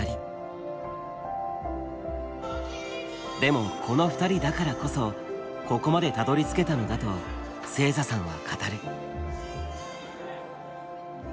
でもこの２人だからこそここまでたどりつけたのだと星座さんは語る。